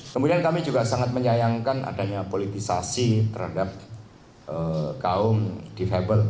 kemudian kami juga sangat menyayangkan adanya politisasi terhadap kaum difabel